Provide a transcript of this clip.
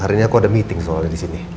hari ini aku ada meeting soalnya disini